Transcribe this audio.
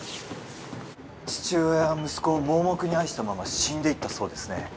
父親は息子を盲目に愛したまま死んでいったそうですね